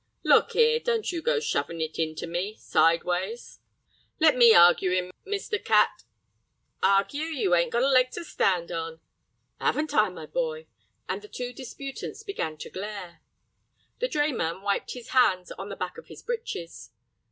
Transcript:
"Look 'ere, don't you go shovin' it into me—sideways." "Let me argue 'im, Mr. Catt." "Argue, you 'ain't got a leg to stand on!" "Haven't I, my boy!" and the two disputants began to glare. The drayman wiped his hands on the back of his breeches.